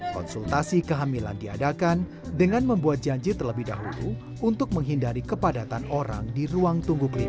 konsultasi kehamilan diadakan dengan membuat janji terlebih dahulu untuk menghindari kepadatan orang di ruang tunggu klinik